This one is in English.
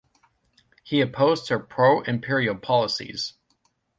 He opposed her pro-Imperial policies.